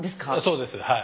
そうですはい。